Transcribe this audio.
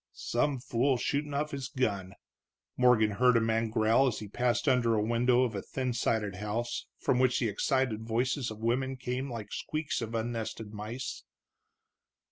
"Some fool shootin' off his gun," Morgan heard a man growl as he passed under a window of a thin sided house, from which the excited voices of women came like the squeaks of unnested mice.